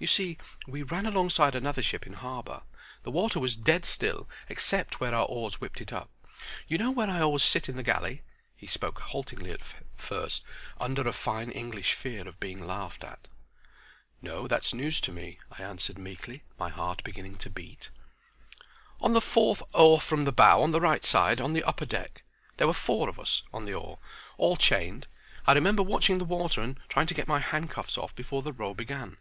You see we ran alongside another ship in harbor. The water was dead still except where our oars whipped it up. You know where I always sit in the galley?" He spoke haltingly at first, under a fine English fear of being laughed at. "No. That's news to me," I answered, meekly, my heart beginning to beat. "On the fourth oar from the bow on the right side on the upper deck. There were four of us at the oar, all chained. I remember watching the water and trying to get my handcuffs off before the row began.